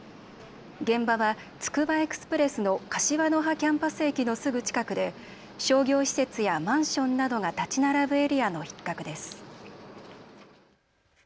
現場はつくばエクスプレスの柏の葉キャンパス駅のすぐ近くで商業施設やマンションなどが建ち並ぶエリアの一角です。